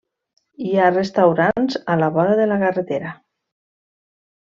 Hi ha restaurants a la vora de la carretera.